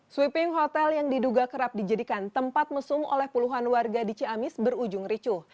sweeping hotel yang diduga kerap dijadikan tempat mesum oleh puluhan warga di ciamis berujung ricuh